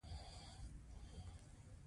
ایا زه باید سپرایټ وڅښم؟